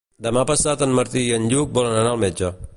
Demà passat en Martí i en Lluc volen anar al metge.